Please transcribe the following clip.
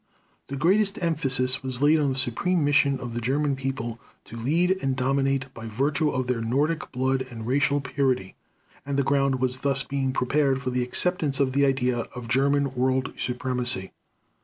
The greatest emphasis was laid on the supreme mission of the German People to lead and dominate by virtue of their Nordic blood and racial purity; and the ground was thus being prepared for the acceptance of the idea of German world supremacy.